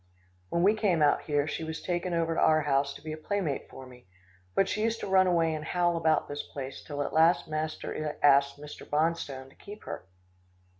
When we came out here, she was taken over to our house to be a playmate for me, but she used to run away and howl about this place till at last master asked Mr. Bonstone to keep her.